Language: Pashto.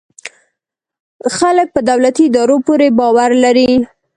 خلک په دولتي ادارو پوره باور لري.